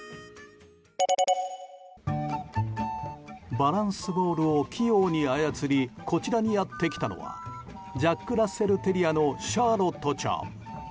バランスボールを器用に操りこちらにやって来たのはジャックラッセルテリアのシャーロットちゃん。